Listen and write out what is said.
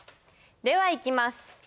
ではいきます。